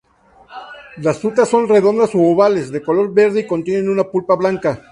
Las frutas son redondas u ovales, de color verde y contienen una pulpa blanca.